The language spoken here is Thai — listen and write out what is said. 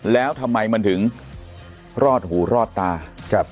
แล้วทำไมมันถึงรอดหูรอดตา